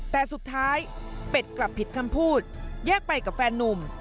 แต่สุดท้ายเป็ดกลับผิดคำพูดแยกไปกับแฟนนุ่ม